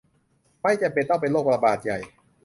ไม่จำเป็นต้องเป็นโรคระบาดใหญ่